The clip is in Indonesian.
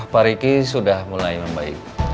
pak riki sudah mulai membaik